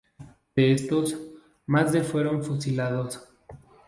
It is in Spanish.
De estos, más de fueron fusilados.